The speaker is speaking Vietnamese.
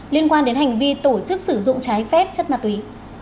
liên quan đến hành vi tổ chức sử dụng trái phép chất ma túy